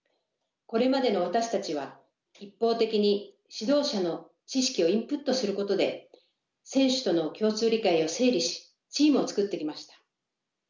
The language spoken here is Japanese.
これまでの私たちは一方的に指導者の知識をインプットすることで選手との共通理解を整理しチームを作ってきました。